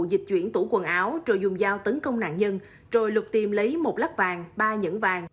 dịch chuyển tủ quần áo rồi dùng dao tấn công nạn nhân rồi lục tiềm lấy một lắc vàng ba nhẫn vàng